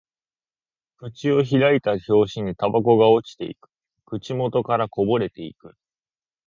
口を開いた拍子にタバコが落ちていく。口元からこぼれていく。